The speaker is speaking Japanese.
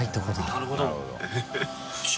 なるほど。